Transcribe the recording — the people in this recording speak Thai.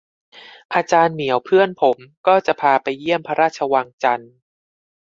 อาจารย์เหมียวเพื่อนผม ก็พาไปเยี่ยมพระราชวังจันทน์